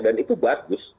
dan itu bagus